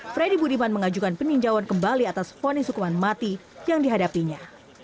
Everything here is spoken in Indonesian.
freddy budiman mengajukan peninjauan kembali atas fonis hukuman mati yang dihadapinya